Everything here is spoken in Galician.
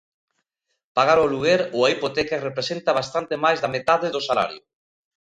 Pagar o aluguer ou a hipoteca representa bastante máis da metade do salario.